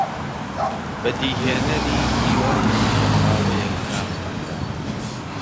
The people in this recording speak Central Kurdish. بەدیهێنەری هیوایەکی نەبڕاوەیە لە ناخماندا